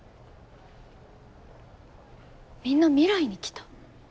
みんな未来に来た。